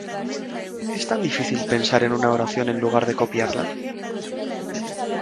¿Es tan difícil pensar en una oración en lugar de copiarla?